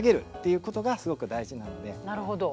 なるほど。